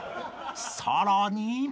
［さらに］